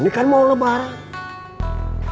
ini kan mau lebaran